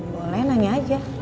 boleh nanya aja